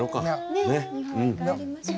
ねえ日本へ帰りましょう。